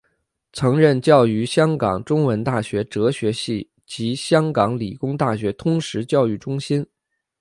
曾任教于香港中文大学哲学系及香港理工大学通识教育中心。